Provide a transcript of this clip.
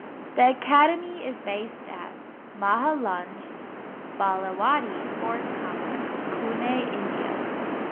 The academy is based at the Mahalunge - Balewadi Sports Complex, Pune, India.